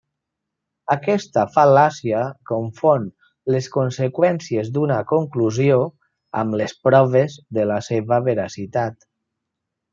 Aquesta fal·làcia confon les conseqüències d'una conclusió amb les proves de la seva veracitat.